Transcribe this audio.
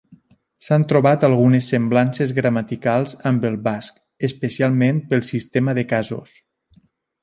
S'han trobat algunes semblances gramaticals amb el basc, especialment pel sistema de casos.